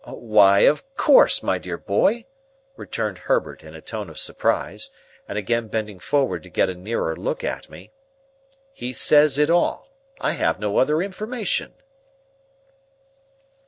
"Why, of course, my dear boy," returned Herbert, in a tone of surprise, and again bending forward to get a nearer look at me. "He says it all. I have no other information."